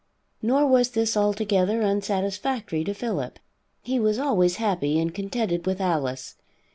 Nor was this altogether unsatisfactory to Philip. He was always happy and contented with Alice.